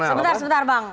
sebentar sebentar bang